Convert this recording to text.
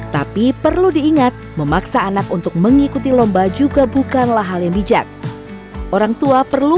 tapi perlu diingat memaksa anak untuk mengikuti lomba juga bukanlah hal yang bijak orang tua perlu